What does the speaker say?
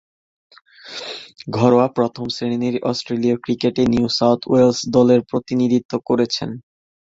ঘরোয়া প্রথম-শ্রেণীর অস্ট্রেলীয় ক্রিকেটে নিউ সাউথ ওয়েলস দলের প্রতিনিধিত্ব করেছেন।